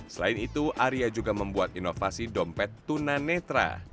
selain itu arya juga membuat inovasi dompet tuna netra